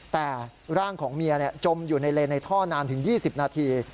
แต่ร่างของเมียจมอยู่ในเลนในท่อนานถึง๒๐นาที